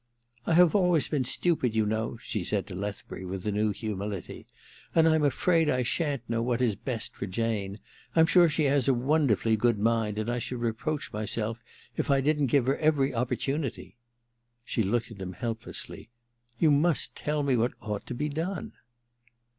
* I have always been stupid, you know,' she said to Lethbury with a new humility, ^ and I'm afraid I shan't know what is best for Jane. I'm sure she has a wonderfully good mind, and I should reproach myself if I didn't give her every opportunity,' She looked at him helplessly, * You must tell me what ought to be done.'